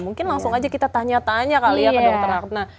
mungkin langsung aja kita tanya tanya kali ya ke dokter ratna